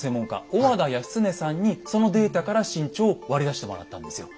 小和田泰経さんにそのデータから身長を割り出してもらったんですよ。